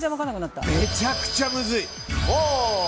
めちゃくちゃムズい。